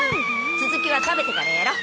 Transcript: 続きは食べてからやろう。